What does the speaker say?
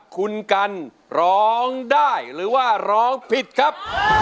คุณกันร้องได้หรือว่าร้องผิดครับ